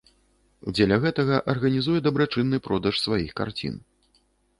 Дзеля гэтага арганізуе дабрачынны продаж сваіх карцін.